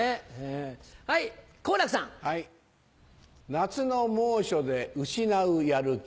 夏の猛暑で失うやる気